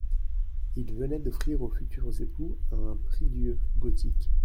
Il venait d'offrir aux futurs époux un prie-Dieu gothique.